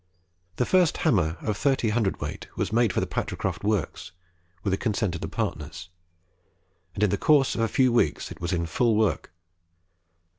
The first hammer, of 30 cwt., was made for the Patricroft works, with the consent of the partners; and in the course of a few weeks it was in full work.